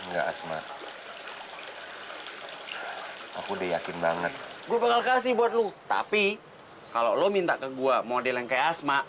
enggak asma aku udah yakin banget gue bakal kasih buat lo tapi kalau lo minta ke gua model yang kayak asma